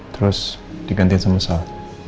terus digantiin sama sal